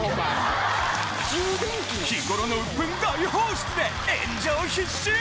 日頃のうっぷん大放出で炎上必至！？